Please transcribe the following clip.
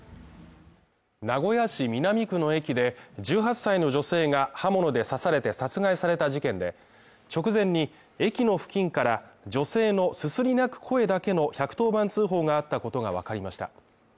名古屋市南区の駅で１８歳の女性が刃物で刺されて殺害された事件で直前に駅の付近から女性のすすり泣く声だけの１１０番通報があったことがわかりました。